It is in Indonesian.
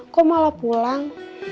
kok malah pulang